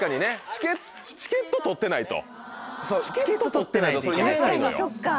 チケット取ってないと。